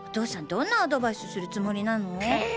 どんなアドバイスするつもりなの？は！